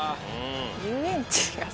遊園地が。